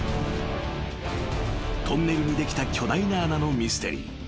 ［トンネルにできた巨大な穴のミステリー］